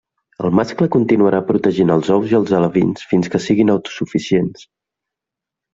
El mascle continuarà protegint els ous i els alevins fins que siguin autosuficients.